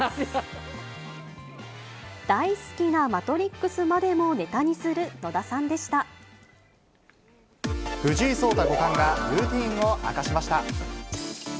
大好きなマトリックスまでも藤井聡太五冠が、ルーティンを明かしました。